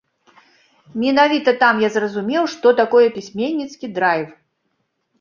Менавіта там я зразумеў, што такое пісьменніцкі драйв.